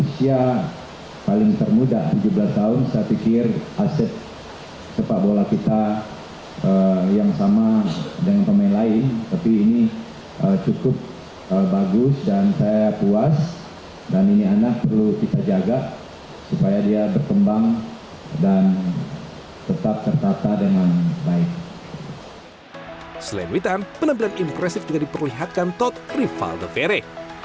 selain witan penampilan impresif juga diperlihatkan tot rival the fere